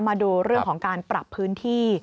มาดูเรื่องของการปรับพื้นที่